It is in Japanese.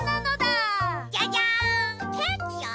ケーキよ！